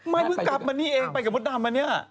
เพิ่งกลับมานี่เองไปกับมดดำมาเนี่ย